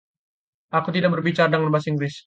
Aku tidak berbicara dengan bahasa Inggris.